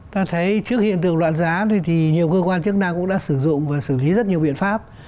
ta thấy trước hiện tượng loạn giá thì nhiều cơ quan chức năng cũng đã sử dụng và xử lý rất nhiều biện pháp